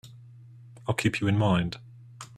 I'll keep you in mind.